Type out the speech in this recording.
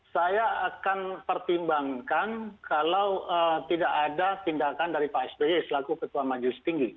saya akan pertimbangkan kalau tidak ada tindakan dari pak sby selaku ketua majelis tinggi